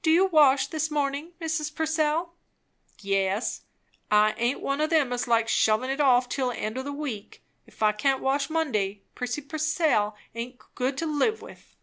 "Do you wash this morning, Mrs. Purcell?" "Yes. I aint one o' them as likes shovin' it off till the end o' the week. If I can't wash Monday, Prissy Purcell aint good to live with."